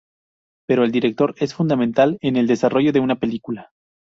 Pero el director es fundamental en el desarrollo de una película.